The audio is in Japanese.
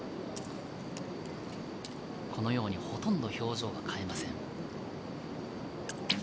このようにほとんど表情を変えません。